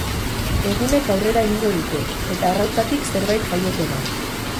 Egunek aurrera egingo dute, eta arrautzatik zerbait jaioko da.